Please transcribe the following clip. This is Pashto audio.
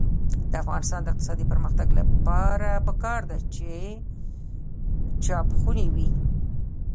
د افغانستان د اقتصادي پرمختګ لپاره پکار ده چې چاپخونې وي.